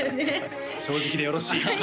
正直でよろしい